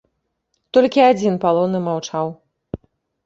Толькі адзін палонны маўчаў.